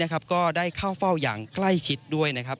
ก็ได้เข้าเฝ้าอย่างใกล้ชิดด้วยนะครับ